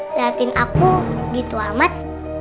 lakin aku gitu amat